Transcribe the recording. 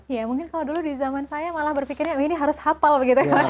ya mungkin kalau dulu di zaman saya malah berpikirnya ini harus hafal begitu ya